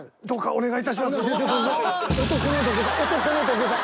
お願い致します。